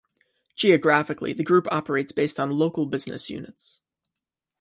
Geographically, the group operates based on local business units.